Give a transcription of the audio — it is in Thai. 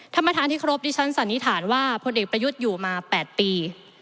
ท่านประธานที่ครบดิฉันสันนิษฐานว่าพลเอกประยุทธ์อยู่มา๘ปี